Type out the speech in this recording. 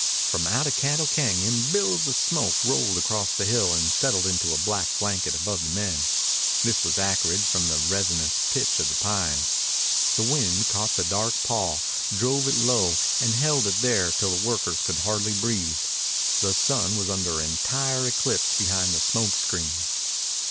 From out of Cattle Cañon billows of smoke rolled across the hill and settled into a black blanket above the men. This was acrid from the resinous pitch of the pines. The wind caught the dark pall, drove it low, and held it there till the workers could hardly breathe. The sun was under entire eclipse behind the smoke screen.